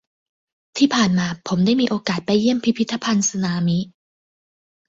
ที่ผ่านมาผมได้มีโอกาสไปเยี่ยมพิพิธภัณฑ์สึนามิ